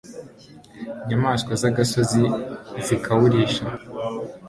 inyamaswa z'agasozi zikawurisha